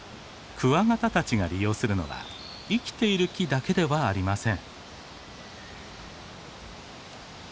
クワガタたちが利用するのは生きている木だけではありません。